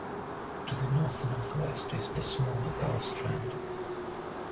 To the north-northwest is the smaller Gullstrand.